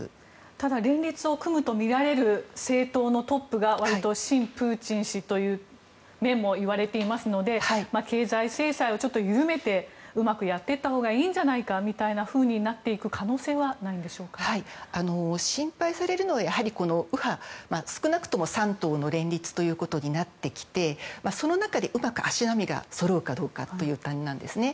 ただ、連立を組むとみられる政党のトップが割と、親プーチン氏という面も言われていますので経済制裁を緩めてうまくやっていったほうがいいんじゃないかというふうにみたいになっていく心配されるのはやはり右派、少なくとも３党の連立となってきてその中でうまく足並みがそろうかどうかという点なんですね。